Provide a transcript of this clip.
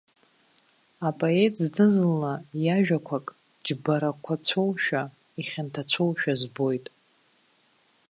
Апоет зны-зынла иажәақәак џьбарақәацәоушәа, ихьанҭацәоушәа збоит.